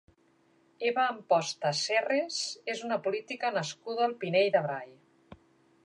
Eva Amposta Serres és una política nascuda al Pinell de Brai.